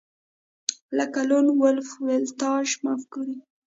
لکه لون وولف ولټاژ مفکورې